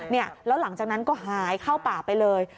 เนี่ยแล้วหลังจากนั้นก็หายเข้าป่าไปเลย